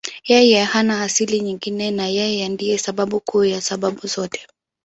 Yeye hana asili nyingine na Yeye ndiye sababu kuu ya sababu zote.